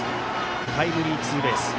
タイムリーツーベース。